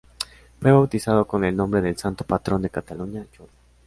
Fue bautizado con el nombre del santo patrón de Cataluña, Jordi.